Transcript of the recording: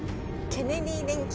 「ケネディー電気」。